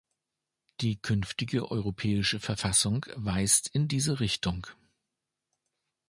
Die künftige europäische Verfassung weist in diese Richtung.